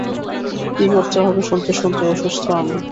কী করতে হবে শুনতে শুনতে অসুস্থ আমি।